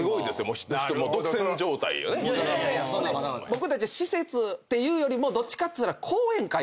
僕たち施設っていうよりもどっちかっつったら。